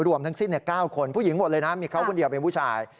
ทั้งสิ้น๙คนผู้หญิงหมดเลยนะมีเขาคนเดียวเป็นผู้ชาย